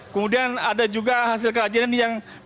kemudian ada juga hasil kerajinan yang